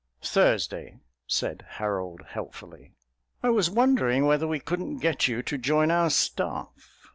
"Thursday," said Harold helpfully. "I was wondering whether we couldn't get you to join our staff.